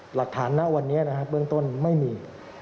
หลักฐานณะวันนี้นะครับเบื้องต้นไม่มี